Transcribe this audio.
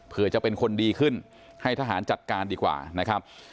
เพื่อจะเป็นคนดีขึ้นให้ทหารจัดการดีกว่านะครับ